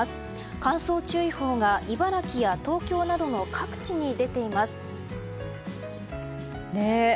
乾燥注意報が茨城や東京などの各地に出ています。